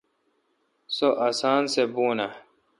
سو اسان سہ بھون اے۔